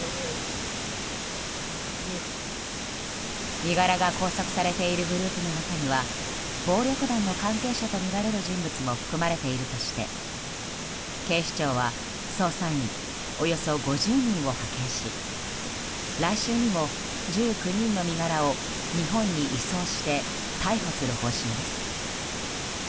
身柄が拘束されているグループの中には暴力団の関係者とみられる人物も含まれているとして警視庁は捜査員およそ５０人を派遣し来週にも１９人の身柄を日本に移送して逮捕する方針です。